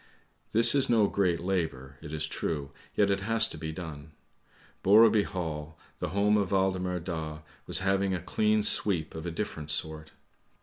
This is no great labour, it is true, yet it has to be done. Borreby Hall, the home of Waldemar Daa was having a clean sweep of a different sort.